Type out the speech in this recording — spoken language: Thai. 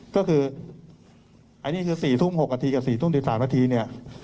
ก็คืออันนี้คือ๔ทุ่ม๖นาทีกับ๔ทุ่ม๑๓นาทีเนี่ย